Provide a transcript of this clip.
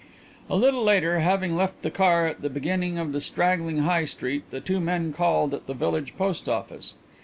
A little later, having left the car at the beginning of the straggling High Street, the two men called at the village post office.